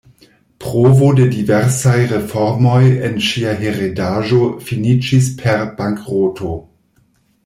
Provo de diversaj reformoj en ŝia heredaĵo finiĝis per bankroto.